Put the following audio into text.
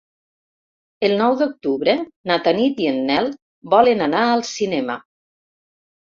El nou d'octubre na Tanit i en Nel volen anar al cinema.